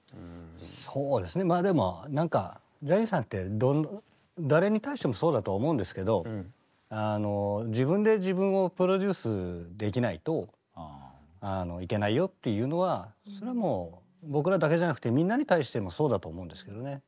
そうですねまあでもなんかジャニーさんって誰に対してもそうだとは思うんですけどあの自分で自分をプロデュースできないといけないよっていうのはそれはもう僕らだけじゃなくてみんなに対してもそうだと思うんですけどね。